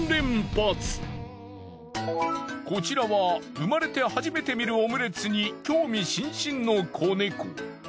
こちらは生まれて初めて見るオムレツに興味津々の子猫。